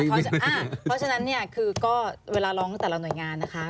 เพราะฉะนั้นเนี่ยคือก็เวลาร้องแต่ละหน่วยงานนะคะ